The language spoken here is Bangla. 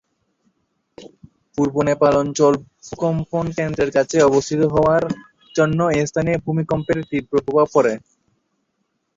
পূর্ব নেপাল অঞ্চল ভূকম্পন কেন্দ্রের কাছে অবস্থিত হওয়ার জন্য এই স্থানে ভূমিকম্পের তীব্র প্রভাব পর।